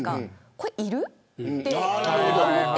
これ、いるって思って。